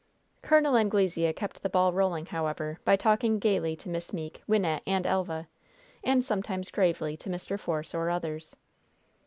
Col. Anglesea kept the ball rolling, however, by talking gayly to Miss Meeke, Wynnette and Elva, and sometimes gravely to Mr. Force or others.